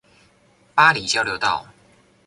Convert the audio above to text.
八里交流道